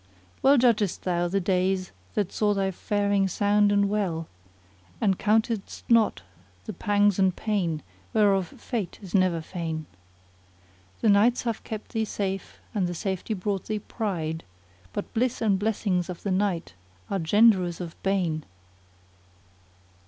Well judgedst thou the days that saw thy faring sound and well * And countedst not the pangs and pain whereof Fate is ever fain. The nights have kept thee safe and the safety brought thee pride * But bliss and blessings of the night are 'genderers of bane!